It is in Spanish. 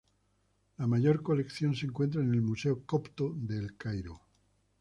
La mayor colección se encuentra en el Museo Copto de El Cairo.